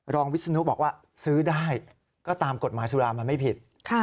วิศนุบอกว่าซื้อได้ก็ตามกฎหมายสุรามันไม่ผิด